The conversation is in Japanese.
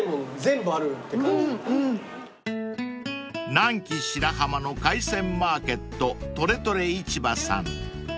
［南紀白浜の海鮮マーケットとれとれ市場さん］